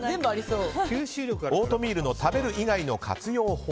オートミールの食べる以外の活用法。